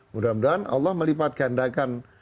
mudah mudahan allah melipat gandakan